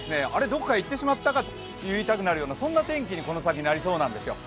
どこか行ってしまったかなと言いたくなるような天気にこの先なりそうなんですよ。